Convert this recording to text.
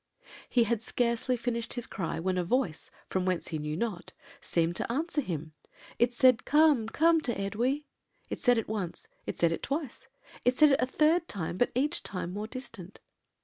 "He had scarcely finished his cry, when a voice, from whence he knew not, seemed to answer him; it said, 'Come, come to Edwy;' it said it once, it said it twice, it said it a third time, but it seemed each time more distant.